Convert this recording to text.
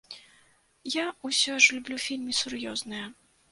Я ўсё ж люблю фільмы сур'ёзныя.